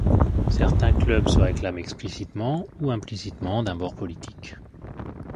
Certains clubs se réclament explicitement ou implicitement d'un bord politique.